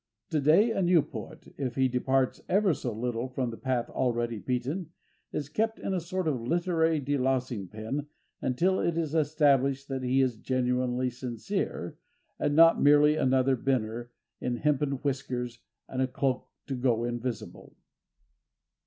To day a new poet, if he departs ever so little from the path already beaten, is kept in a sort of literary delousing pen until it is established that he is genuinely sincere, and not merely another Bynner in hempen whiskers and a cloak to go invisible.